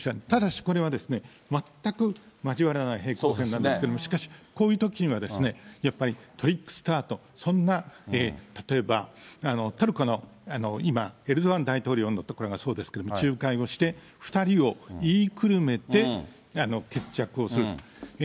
ただしこれは、全く交わらない平行線なんですけれども、しかし、こういうときにはやっぱり、トリックスターと、そんなたとえば、トルコの今、エルドアン大統領のところがそうですけども、仲介をして、２人を言いくるめて決着をする。